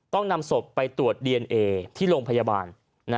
ต้องนำศพไปตรวจดีเอนเอที่โรงพยาบาล